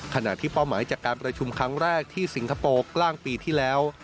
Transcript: เป้าหมายจากการประชุมครั้งแรกที่สิงคโปร์กลางปีที่แล้ว